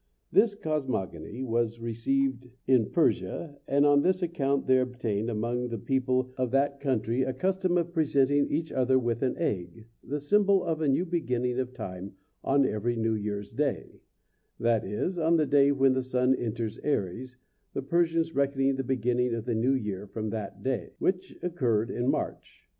This cosmogony was received in Persia, and on this account there obtained, among the people of that country, a custom of presenting each other with an egg, the symbol of a new beginning of time on every New Year's day; that is, on the day when the sun enters Aries, the Persians reckoning the beginning of the new year from that day, which occurred in March.